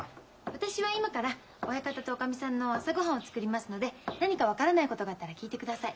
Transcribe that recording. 私は今から親方とおかみさんの朝ごはんを作りますので何か分からないことがあったら聞いてください。